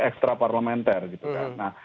ekstraparlementer gitu kan nah